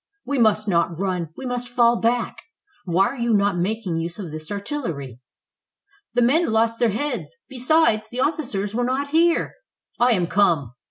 "We must not run; we must fall back. Why are you not making use of this artillery?" "The men lost their heads; besides, the officers were not here." "I am come."